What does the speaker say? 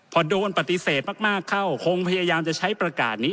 พอโดนปฏิเสธมากเข้าคงพยายามจะใช้ประกาศนี้